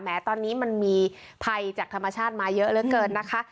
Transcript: ตอนนี้มันมีภัยจากธรรมชาติมาเยอะเหลือเกินนะคะ